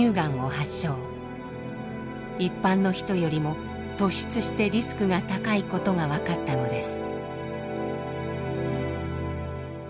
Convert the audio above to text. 一般の人よりも突出してリスクが高いことが分かったのです。